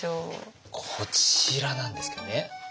こちらなんですけどねよいしょ。